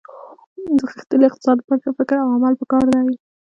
د غښتلي اقتصاد لپاره ښه فکر او عمل په کار دي